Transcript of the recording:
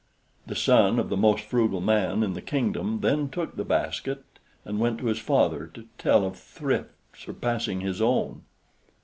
The son of the most frugal man in the kingdom then took the basket and went to his father to tell of thrift surpassing his own.